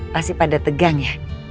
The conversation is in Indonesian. pasti pada tegang ya